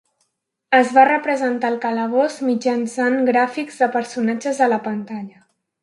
Es va representar el calabós mitjançant gràfics de personatges a la pantalla.